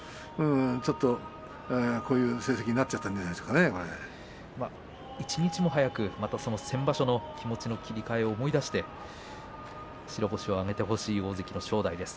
ちょっと、こういう成績に一日も早く先場所の気持ちの切り替えを思い出して白星を挙げてほしい大関の正代です。